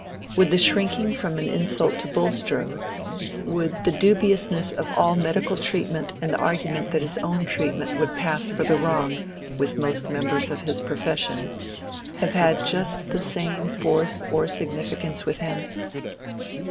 —would the shrinking from an insult to Bulstrode—would the dubiousness of all medical treatment and the argument that his own treatment would pass for the wrong with most members of his profession—have had just the same force or significance with him?